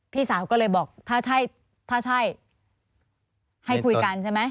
พี่สาวก็เลยบอกถ้าใช่ถ้าใช่ให้คุยกันใช่ไหม